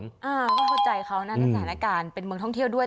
ก็เข้าใจเขานะในสถานการณ์เป็นเมืองท่องเที่ยวด้วย